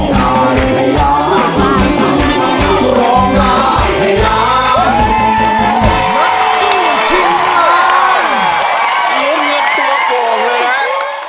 มรุมเงินทุโป่งเลยนะ